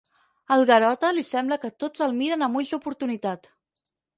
Al Garota li sembla que tots el miren amb ulls d'oportunitat.